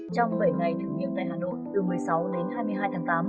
trong bảy ngày thử nghiệm tại hà nội từ một mươi sáu đến hai mươi hai tháng tám